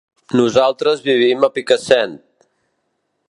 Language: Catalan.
Nosaltres vivim a Picassent.